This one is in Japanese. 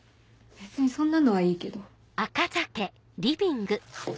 別にそんなのはいいけど。